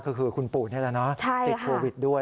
ก็คือคุณปู่นี่แหละนะติดโควิดด้วย